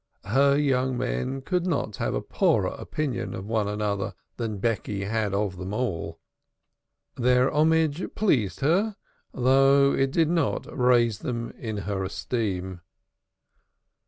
Her young men could not have a poorer opinion of one another than Becky had of them all. Their homage pleased her, though it did not raise them in her esteem.